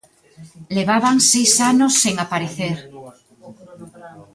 Levaban seis anos sen aparecer.